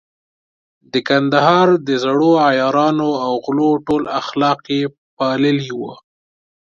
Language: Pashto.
د کندهار د زړو عیارانو او غلو ټول اخلاق يې پاللي وو.